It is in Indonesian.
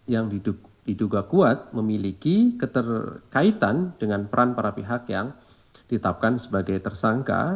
yang diduga kuat memiliki keterkaitan dengan peran para pihak yang ditetapkan sebagai tersangka